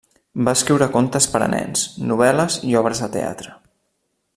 Va escriure contes per a nens, novel·les i obres de teatre.